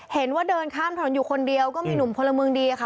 เห็นว่าเดินข้ามถนนอยู่คนเดียวก็มีหนุ่มพลเมืองดีค่ะ